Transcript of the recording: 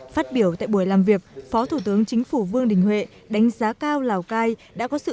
phát biểu tại buổi làm việc phó thủ tướng chính phủ vương đình huệ đánh giá cao lào cai đã có sự